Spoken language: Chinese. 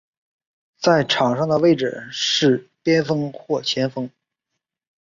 在场上的位置是边锋或前锋。